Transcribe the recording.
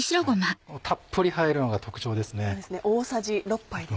たっぷり入るのが特徴ですね。